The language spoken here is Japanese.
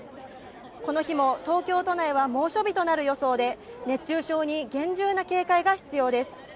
この日も東京都内は猛暑日となる予想で熱中症に厳重な警戒が必要です。